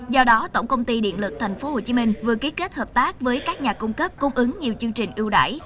do đó tổng công ty điện lực tp hcm vừa ký kết hợp tác với các nhà cung cấp cung ứng nhiều chương trình ưu đải